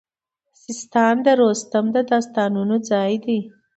سیستان د رستم د داستانونو ځای دی